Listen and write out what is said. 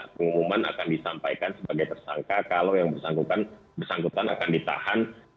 pengumuman akan disampaikan sebagai tersangka kalau yang bersangkutan akan ditahan